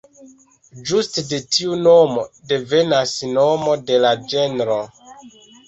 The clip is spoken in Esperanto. Ĝuste de tiu nomo devenas nomo de la ĝenro.